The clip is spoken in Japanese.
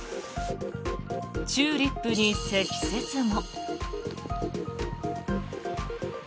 チューリップに積雪も。